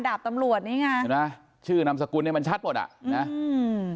ดาบตำรวจนี่ไงเห็นไหมชื่อนามสกุลเนี้ยมันชัดหมดอ่ะนะอืม